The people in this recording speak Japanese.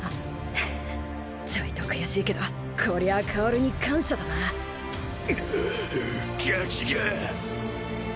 ちょいと悔しいけどこりゃあ薫に感謝だななガキが！